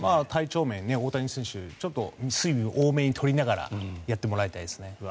体調面、大谷選手は水分を多めに取りながらやってもらいたいですね。